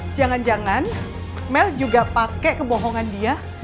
jangan jangan mel juga pakai kebohongan dia